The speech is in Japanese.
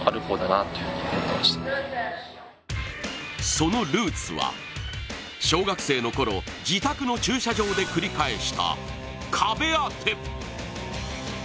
そのルーツは小学生のころ、自宅の駐車場で繰り返した壁当て。